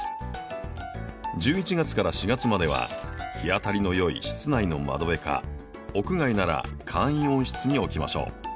１１月から４月までは日当たりのよい室内の窓辺か屋外なら簡易温室に置きましょう。